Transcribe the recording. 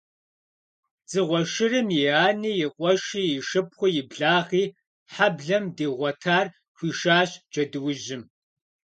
Дзыгъуэ шырым и ани, и къуэши, и шыпхъуи, и благъи, хьэблэм дигъуэтар хуишащ джэдуужьым.